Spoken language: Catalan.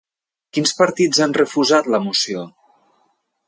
Quins partits han refusat la moció?